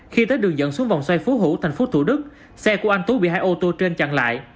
khi tới đường dẫn xuống vòng xoay phú hữu tp thủ đức xe của anh tú bị hai ô tô trên chặn lại